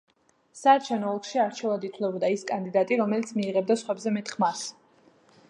საარჩევნო ოლქში არჩეულად ითვლებოდა ის კანდიდატი, რომელიც მიიღებდა სხვებზე მეტ ხმას.